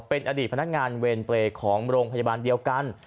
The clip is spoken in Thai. เป็นอดีตพนักงานเวรเปรย์ของโรงพยาบาลเดียวกัน